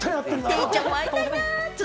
デイちゃんも会いたいな。